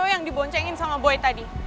yang diboncengin sama boy tadi